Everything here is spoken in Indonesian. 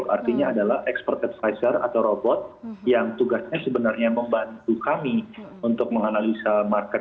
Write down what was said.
artinya adalah expert advisor atau robot yang tugasnya sebenarnya membantu kami untuk menganalisa market